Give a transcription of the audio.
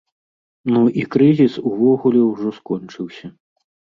Ну, і крызіс, увогуле, ужо скончыўся.